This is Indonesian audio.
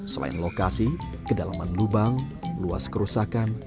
selain lokasi kedalaman lubang luas kerusakan